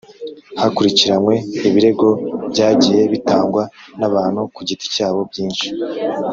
Hakurikiranywe ibirego byagiye bitangwa n abantu ku giti cyabo byinshi